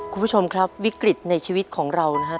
คุณผู้ชมครับวิกฤตในชีวิตของเรานะฮะ